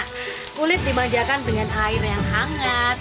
kulit dimanjakan dengan air yang hangat